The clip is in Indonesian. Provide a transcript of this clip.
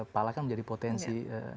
pala kan menjadi potensi